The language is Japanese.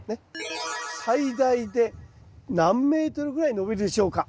最大で何メートルぐらい伸びるでしょうか？